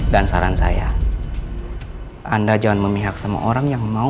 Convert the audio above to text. dan saran saya anda jangan memihak sama orang yang mau